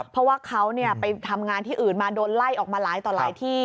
เพราะว่าเขาไปทำงานที่อื่นมาโดนไล่ออกมาหลายต่อหลายที่